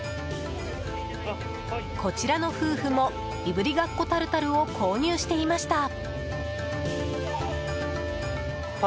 こちらの夫婦もいぶりがっこタルタルを購入していました。